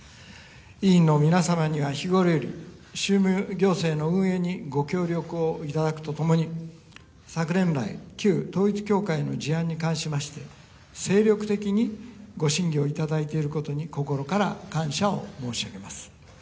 委員の皆様には日頃より、行政の運営にご協力をいただくとともに昨年来、旧統一教会の事案に関しまして精力的にご審議をいただいていることに心から感謝を申し上げます。